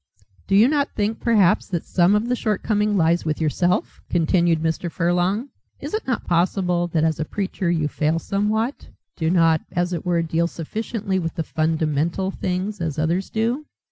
"Do you not think perhaps that some of the shortcoming lies with yourself?" continued Mr. Furlong. "Is it not possible that as a preacher you fail somewhat, do not, as it were, deal sufficiently with fundamental things as others do?